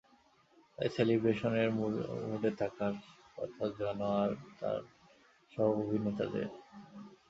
তাই সেলিব্রেশনের মুডে থাকার কথা জন আর তার সহ অভিনেতাদের।